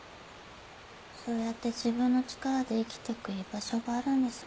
そうやって自分の力で生きてく居場所があるんですもんね。